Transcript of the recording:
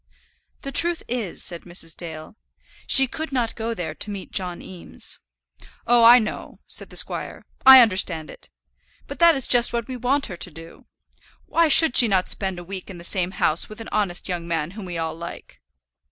"The truth is," said Mrs. Dale, "she could not go there to meet John Eames." "Oh, I know," said the squire: "I understand it. But that is just what we want her to do. Why should she not spend a week in the same house with an honest young man whom we all like."